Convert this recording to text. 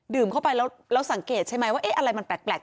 เข้าไปแล้วสังเกตใช่ไหมว่าอะไรมันแปลก